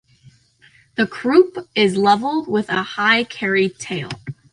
The croup is level with a high-carried tail.